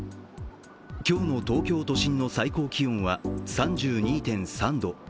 今日の東京都心の最高気温は３２．３度。